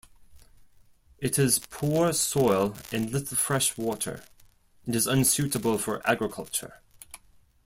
It has poor soil and little fresh water, and is unsuitable for agriculture.